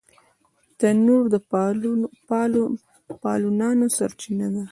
تنور د پالو نانو سرچینه ده